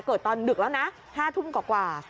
ตอนดึกแล้วนะ๕ทุ่มกว่า